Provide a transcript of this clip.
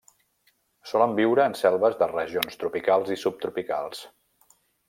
Solen viure en selves de regions tropicals i subtropicals.